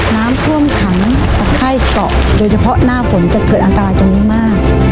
น้ำเพิ่มขังแต่ไข้เกาะโดยเฉพาะหน้าฝนจะเกิดอันตรายจนไม่มาก